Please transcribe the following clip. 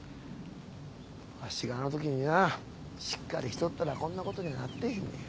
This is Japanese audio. わしがあのときになしっかりしとったらこんなことにはなってへんのや。